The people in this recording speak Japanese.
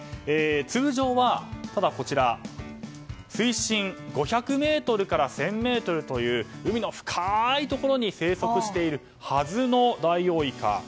通常は水深５００ｍから１０００ｍという海の深いところに生息しているはずのダイオウイカ。